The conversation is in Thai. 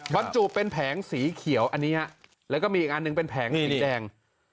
บรรจุเป็นแผงสีเขียวอันนี้ฮะแล้วก็มีอีกอันหนึ่งเป็นแผงสีแดง